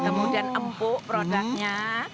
kemudian empuk produknya